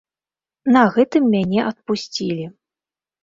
На гэтым мяне адпусцілі.